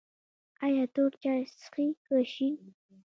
ایا تور چای څښئ که شین؟